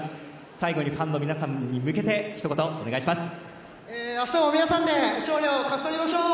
最後にファンの皆さんに向けて明日も皆さんで勝利を勝ち取りましょう！